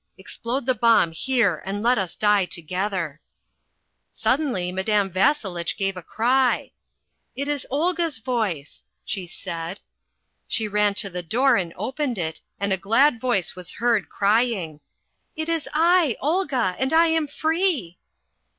"Explode the bomb here and let us die together." Suddenly Madame Vasselitch gave a cry. "It is Olga's voice!" she said. She ran to the door and opened it, and a glad voice was heard crying. "It is I, Olga, and I am free!"